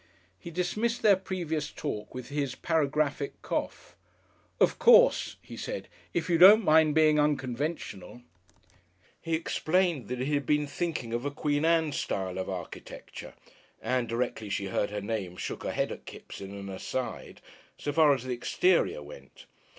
He dismissed their previous talk with his paragraphic cough. "Of course," he said, "if you don't mind being unconventional " He explained that he had been thinking of a Queen Anne style of architecture (Ann directly she heard her name shook her head at Kipps in an aside) so far as the exterior went.